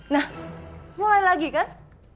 nah mulai lagi kak